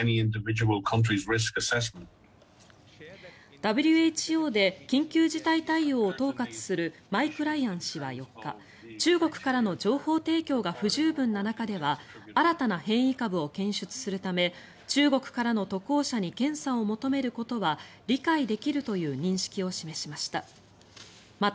ＷＨＯで緊急事態対応を統括するマイク・ライアン氏は４日中国からの情報提供が不十分な中では新たな変異株を検出するため中国からの渡航者に検査を求めることは理解できるという認識を示しました。